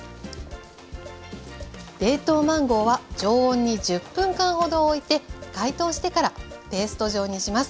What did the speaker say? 冷凍マンゴーは常温に１０分間ほどおいて解凍してからペースト状にします。